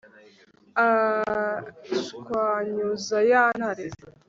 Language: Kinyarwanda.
ashwanyuza ya ntare